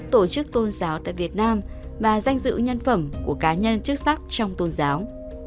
tổ chức tôn giáo tại việt nam và danh dự nhân phẩm của cá nhân chức sắc trong tôn giáo